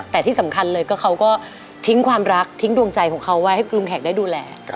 แต่ที่สำคัญเลยก็เขาก็ทิ้งความรักทิ้งดวงใจของเขาไว้ให้คุณลุงแขกได้ดูแล